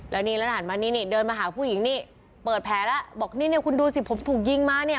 แล้วนี่แล้วหันมานี่นี่เดินมาหาผู้หญิงนี่เปิดแผลแล้วบอกนี่เนี่ยคุณดูสิผมถูกยิงมาเนี่ย